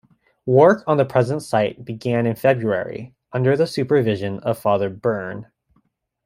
Work on the present site began in February under the supervision of Father Byrne.